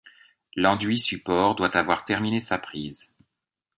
L'enduit support doit avoir terminé sa prise.